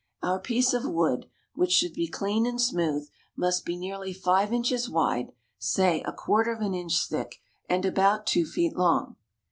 Our piece of wood, which should be clean and smooth, must be nearly five inches wide, say a quarter of an inch thick, and about two feet long.